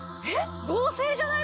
合成じゃない？